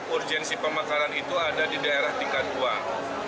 urgensi pemakaran itu ada di daerah tingkat dua